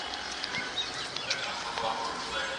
آيا ليکوالان د ټولني د ويښولو لپاره پوره هڅه کوي؟